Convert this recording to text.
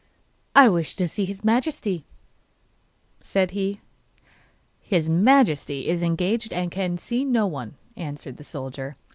'I wish to see his Majesty,' said he. 'His Majesty is engaged, and can see no one,' answered the soldier.